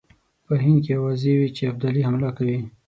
په هند کې آوازې وې چې ابدالي حمله کوي.